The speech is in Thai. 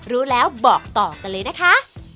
รู้แล้วบอกต่อกันเลยนะคะ